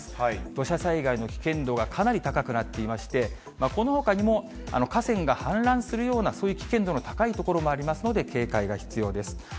土砂災害の危険度がかなり高くなっていまして、このほかにも、河川が氾濫するような、そういう危険度の高い所もありますので、警戒が必要です。